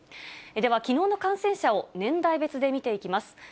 では、きのうの感染者を年代別で見ていきます。